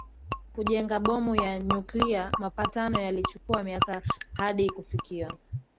kujenga bomu ya nyuklia Mapatano yalichukua miaka hadi kufikiwa